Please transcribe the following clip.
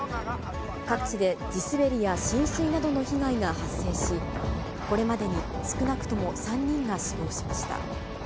各地で地滑りや浸水などの被害が発生し、これまでに少なくとも３人が死亡しました。